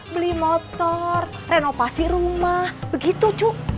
beli motor renovasi rumah begitu cu